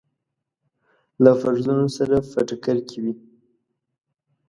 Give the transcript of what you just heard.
له فرضونو سره په ټکر کې وي.